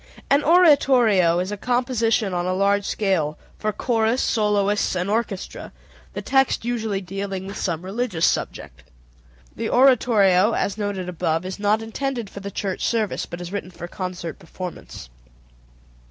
An oratorio is a composition on a large scale for chorus, soloists, and orchestra, the text usually dealing with some religious subject. The oratorio, as noted above, is not intended for the church service, but is written for concert performance.